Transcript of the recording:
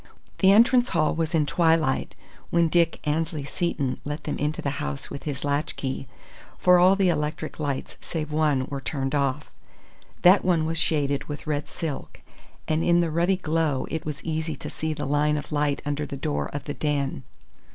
The entrance hall was in twilight when Dick Annesley Seton let them into the house with his latchkey, for all the electric lights save one were turned off. That one was shaded with red silk, and in the ruddy glow it was easy to see the line of light under the door of the "den."